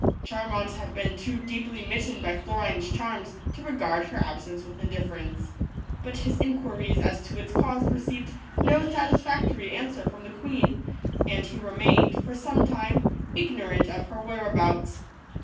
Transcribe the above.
Charmant had been too deeply mitten by Florine's charms to regard her absence with indifference. But his inquiries as to its cause received no satisfactory answer from the queen, and he remained, for some time, ignorant of her whereabouts.